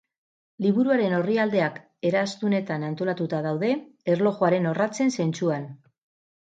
Liburuaren orrialdeak eraztunetan antolatuta daude, erlojuaren orratzen zentzuan.